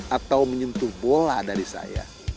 atau menyentuh bola dari saya